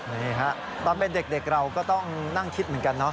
นี่ฮะตอนเป็นเด็กเราก็ต้องนั่งคิดเหมือนกันเนาะ